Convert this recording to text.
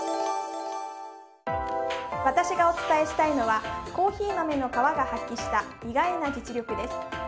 私がお伝えしたいのはコーヒー豆の皮が発揮した意外な実力です。